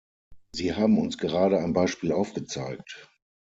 Sie haben uns gerade ein Beispiel aufgezeigt.